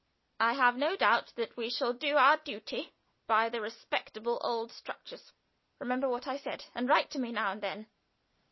I have no doubt that we shall do our duty by the respectable old structures. Remember what I said, and write to me now and then.